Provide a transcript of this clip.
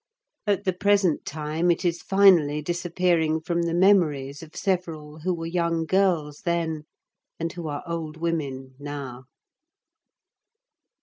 At the present time it is finally disappearing from the memories of several who were young girls then, and who are old women now.